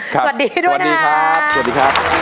สวัสดีด้วยนะสวัสดีครับ